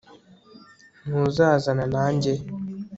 ntuzazana nanjye?